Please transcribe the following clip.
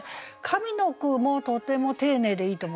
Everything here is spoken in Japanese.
上の句もとても丁寧でいいと思いますね。